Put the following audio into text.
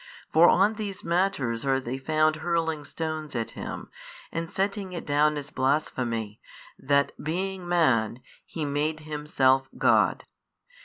For on these matters are they found hurling stones at Him, and setting it down as blasphemy, that being Man, He made Himself God.